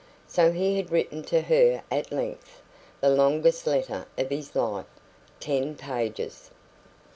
So he had written to her at length the longest letter of his life ten pages.